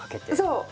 そう！